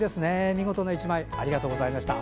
見事な１枚ありがとうございました。